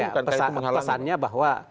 bukan kata itu menghalang